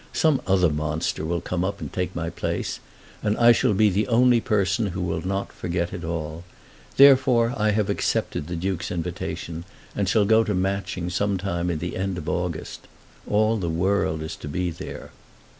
Some other monster will come up and take my place, and I shall be the only person who will not forget it all. Therefore I have accepted the Duke's invitation, and shall go to Matching some time in the end of August. All the world is to be there.